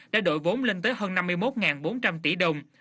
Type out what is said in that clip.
đã đội vốn lên tới hơn năm mươi một bốn trăm linh tỷ đồng